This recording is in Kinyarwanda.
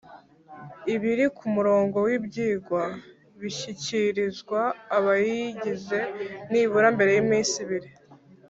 Ibiri ku murongo w’ibyigwa bishyikirizwa abayigize nibura mbere y’iminsi ibiri